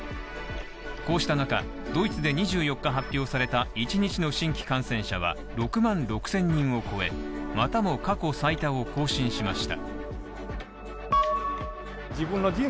こうした中、ドイツで２４日発表された１日の新規感染者は６万６０００人を超えまたも過去最多を更新しました。